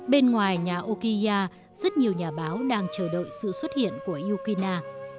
bên ngoài nhà okiya rất nhiều nhà báo đang chờ đợi sự xuất hiện của yukina